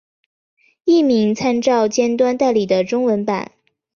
译名参照尖端代理的中文版。